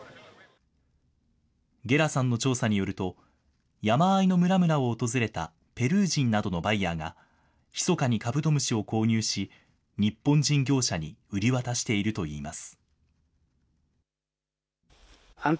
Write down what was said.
ゲラさんの調査によると、山あいの村々を訪れたペルー人などのバイヤーが、ひそかにカブトムシを購入し、日本人業者に売り渡しているといいます。